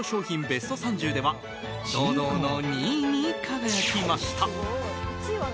ベスト３０では堂々の２位に輝きました。